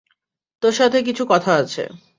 তোর সাথে কিছু কথা আছে।